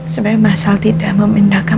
sebenernya masal tidak memindahkan